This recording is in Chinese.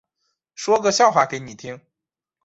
说个笑话给你听